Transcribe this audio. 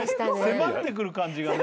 迫ってくる感じがね。